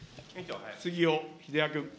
杉尾秀哉君。